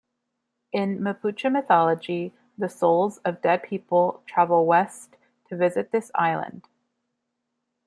In Mapuche mythology, the souls of dead people travel west to visit this island.